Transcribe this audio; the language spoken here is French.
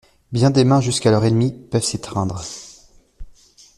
Bien des mains jusqu'alors ennemies peuvent s'étreindre.